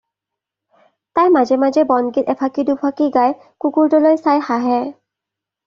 তাই মাজে মাজে বনগীত এফাঁকি দুফাঁকি গায় কুকুৰটোলৈ চাই হাঁহে